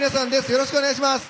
よろしくお願いします。